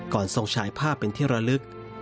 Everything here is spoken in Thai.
ส่งฉายภาพเป็นที่ระลึก